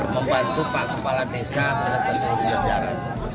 membantu pak kepala desa beserta seluruh di acara